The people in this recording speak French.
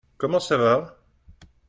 Comment ça va ?